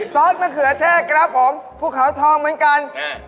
ซอสมะเขือแทงกระหกหอมพวกเขาทองเหมือนกัน